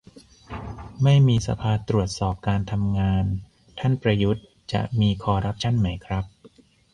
ไม่มีสภาตรวจสอบการทำงานท่านประยุทธ์ จะมีคอรัปชั่นไหมครับ